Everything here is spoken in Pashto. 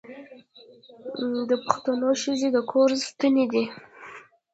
د پښتنو ښځې د کور ستنې دي.